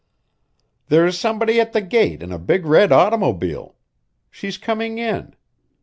"There's somebody at the gate in a big red automobile. She's comin' in.